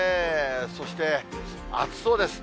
そして、暑そうです。